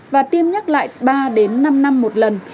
và tiêm nhắc lại ba năm năm một lần